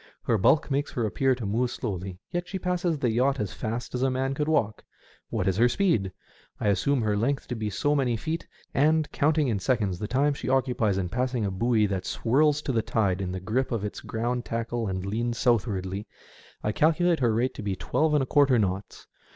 Her bulk makes her appear to move slowly, yet she passes the yacht as fast as a man could walk. What is her speed ? I assume her length to be so many feet ; and, counting in seconds the time she occupies in passing a buoy that swirls to the tide in the grip of its ground tackle and SEASIDE EFFECTS. 203 leans southwardly, I calculate her rate to be twelve and a quarter knots.